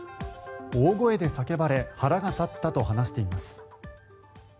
大声で叫ばれ腹が立ったと話しています。